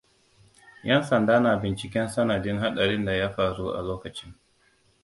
Ƴan sanda na binciken sanadin haɗarin da ya faru a lokacin.